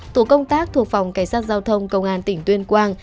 tổ công tác thuộc phòng cảnh sát giao thông công an tỉnh tuyên quang